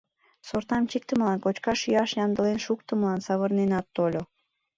Сортам чӱктымылан, кочкаш-йӱаш ямдылен шуктымылан савырненат тольо.